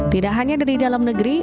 tidak hanya dari dalam negeri